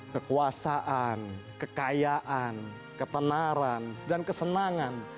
kekuasaan kekayaan ketenaran dan kesenangan